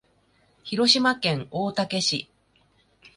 広島県大竹市